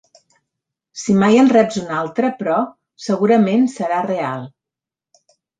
Si mai en reps una altra, però, segurament serà real.